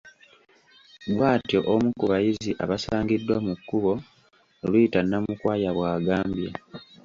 Bw’atyo omu ku bayizi abasangiddwa ku kkubo Ritah Namukwaya bw’agambye.